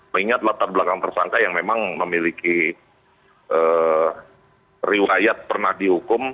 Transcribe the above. mengingat latar belakang tersangka yang memang memiliki riwayat pernah dihukum